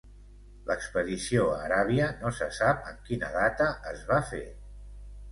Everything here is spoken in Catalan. L'expedició a Aràbia no se sap en quina data es va fer.